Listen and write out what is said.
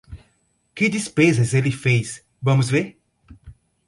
Que despesas ele fez, vamos ver?